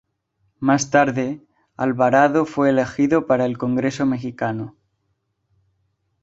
Más tarde, Alvarado fue elegido para el Congreso mexicano.